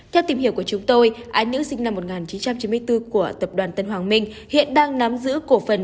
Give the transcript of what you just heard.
theo tìm hiểu của chúng tôi ái nữ sinh năm một nghìn chín trăm chín mươi bốn của tập đoàn tân hoàng minh hiện đang nắm giữ cổ phần